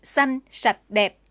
xanh sạch đẹp